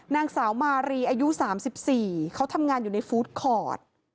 นางสาวมารีอายุ๓๔เขาทำงานอยู่ในฟู้ดคอร์ด